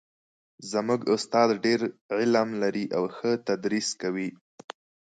زموږ استاد ډېر علم لري او ښه تدریس کوي